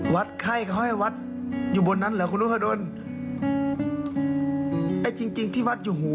วัดไข้เขาให้วัดอยู่บนนั้นเหรอคุณนพดลอืมไอ้จริงจริงที่วัดอยู่หู